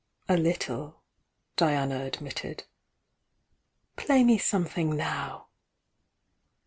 "A little," Diana admitted. "Play me something now!"